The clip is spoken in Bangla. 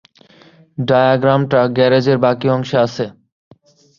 ডায়াগ্রামটা গ্যারেজের বাকি অংশে আছে।